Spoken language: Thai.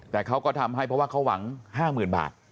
แต่เขาก็ทำให้เพราะว่าเขาหวัง๕๐๐๐บาท